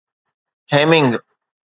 Hemming